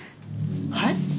はい？